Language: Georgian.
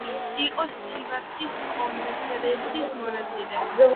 იყო სივასის კონგრესის მონაწილე.